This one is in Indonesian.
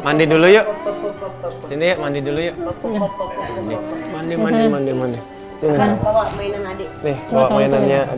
mandi dulu yuk ini mandi dulu yuk mandi mandi mandi mandi mandi